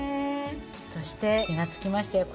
そして気がつきましたよ